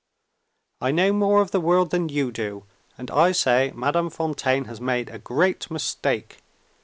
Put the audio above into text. I know more of the world than you do; and I say Madame Fontaine has made a great mistake.